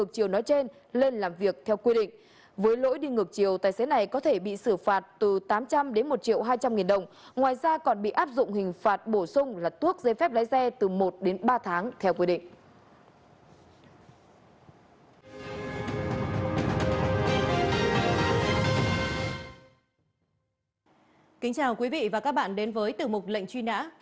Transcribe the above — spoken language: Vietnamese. kính chào quý vị và các bạn đến với tử mục lệnh truy nã